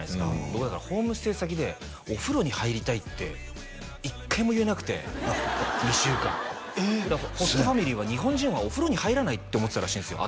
僕だからホームステイ先で「お風呂に入りたい」って１回も言えなくて２週間だからホストファミリーは日本人はお風呂に入らないって思ってたらしいんですよ